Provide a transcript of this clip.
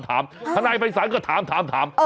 ทนายภัยศาลก็ถาม